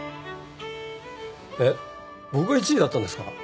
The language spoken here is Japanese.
えっ僕が１位だったんですか？